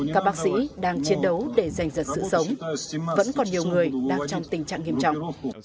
các bác sĩ đang chiến đấu để giành giật sự sống vẫn còn nhiều người đang trong tình trạng nghiêm trọng